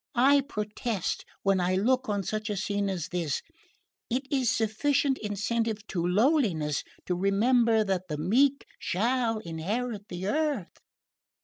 I protest when I look on such a scene as this, it is sufficient incentive to lowliness to remember that the meek shall inherit the earth!"